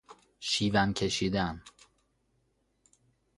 شیون کشیدن